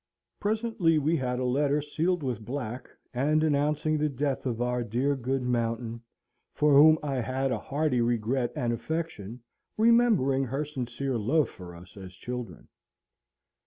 Presently we had a letter sealed with black, and announcing the death of our dear good Mountain, for whom I had a hearty regret and affection, remembering her sincere love for us as children.